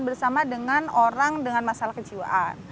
bersama dengan orang dengan masalah kejiwaan